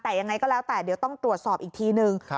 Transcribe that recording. แต่ยังไงก็แล้วแต่เดี๋ยวต้องตรวจสอบอีกทีนึง